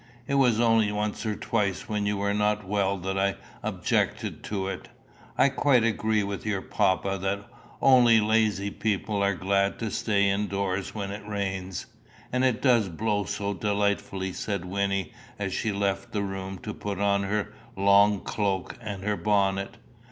It was only once or twice when you were not well that I objected to it. I quite agree with your papa, that only lazy people are glad to stay in doors when it rains." "And it does blow so delightfully!" said Wynnie, as she left the room to put on her long cloak and her bonnet.